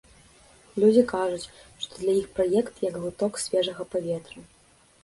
Людзі кажуць, што для іх праект як глыток свежага паветра.